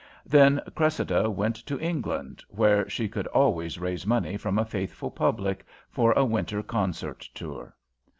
Then Cressida went to England where she could always raise money from a faithful public for a winter concert tour.